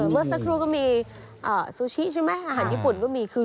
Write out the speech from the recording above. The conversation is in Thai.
เมื่อสักครู่ก็มีซูชิใช่ไหมอาหารญี่ปุ่นก็มีคือ